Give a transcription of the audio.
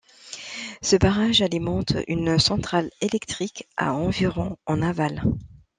Ce barrage alimente une centrale électrique à environ en aval.